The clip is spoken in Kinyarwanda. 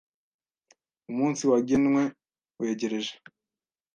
Umunsi wagenwe wegereje.